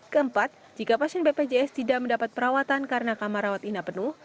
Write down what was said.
keempat jika pasien bpjs tidak mendapat perawatan karena kamar rawat ina penuh